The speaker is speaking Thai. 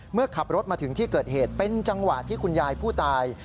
เมื่อขับรถมาถึงที่เกิดเหตุเป็นจังหวะที่คุณยายผู้ตาย